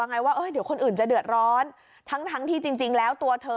ไงว่าเดี๋ยวคนอื่นจะเดือดร้อนทั้งทั้งที่จริงแล้วตัวเธอ